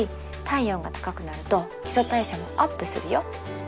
体温が高くなると基礎代謝もアップするよ